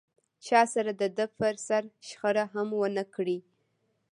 چا سره دده پر سر شخړه هم و نه کړي.